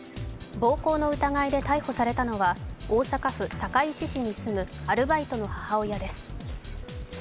暴行の疑いで逮捕されたのは大阪府高石市に住むアルバイトの母親です。